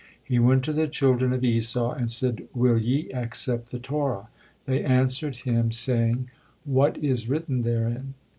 He went to the children of Esau and said, "Will ye accept the Torah?" They answered Him, saying, "What is written therein?"